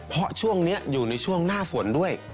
เพราะช่วงนี้อยู่ในช่วงหน้าฝนด้วย